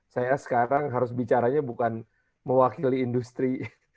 saya sekarang harus bicaranya bukan mewakili industri